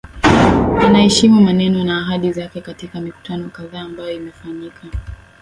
anaeheshimu maneno na ahadi zake katika mikutano kadhaa ambayo imefanyika